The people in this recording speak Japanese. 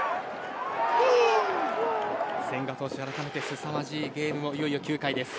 千賀投手、改めてすさまじいゲームもいよいよ９回です。